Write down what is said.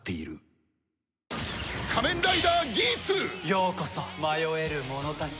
ようこそ迷える者たちよ。